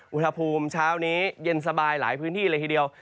อุณหภูมิเช้านี้เย็นสบายหลายพื้นที่เลยทีเดียว